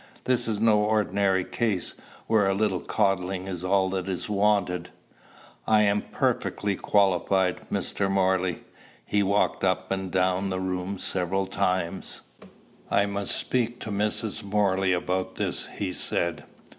This is no ordinary case, where a little coddling is all that is wanted." "I am perfectly qualified, Mr. Morley." He walked up and down the room several times. "I must speak to Mrs. Morley about this." he said.